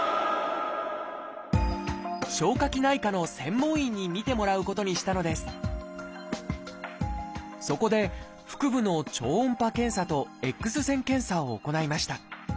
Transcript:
消化器内科の専門医に診てもらうことにしたのですそこで腹部の超音波検査とＸ線検査を行いました。